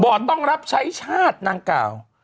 ต้องรับใช้ชาตินางกล่าว